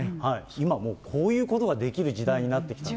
今もうこういうことができる時代になってきた。